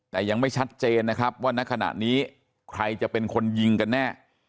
แต่ยังไม่ชัดเจนนะครับว่าณขณะนี้ใครจะเป็นคนยิงกันแน่